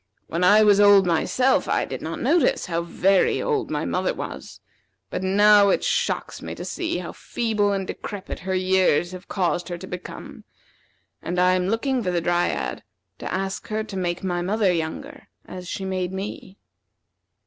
When I was old myself, I did not notice how very old my mother was; but now it shocks me to see how feeble and decrepit her years have caused her to become; and I am looking for the Dryad to ask her to make my mother younger, as she made me."